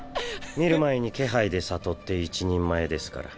見る前に気配で悟って一人前ですから。